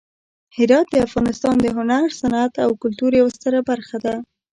هرات د افغانستان د هنر، صنعت او کلتور یوه ستره برخه ده.